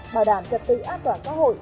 bảo đảm trật tự an toàn xã hội